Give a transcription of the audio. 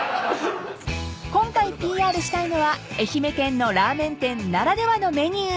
［今回ＰＲしたいのは愛媛県のラーメン店ならではのメニュー］